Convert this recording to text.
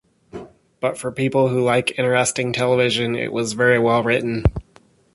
But for people who like interesting television, it was very well written.